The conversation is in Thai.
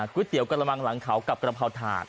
ก๋วยเตี๋ยวกระมังหลังเขากับกระเพาถาด